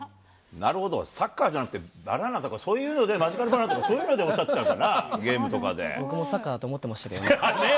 なるほど、サッカーじゃなくて、バナナとかそういうので、マジカルバナナとか、そういうのでおっ僕もサッカーだと思ってましねぇ。